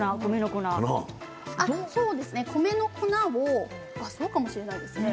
米の粉をそうかもしれないですね。